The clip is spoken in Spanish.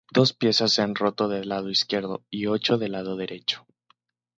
Dos piezas se han roto del lado izquierdo y ocho del lado derecho.